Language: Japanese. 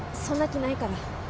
そんな気ないから。